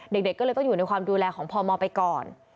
เด็กก็เลยต้องอยู่ในความดูแลของพมไปก่อน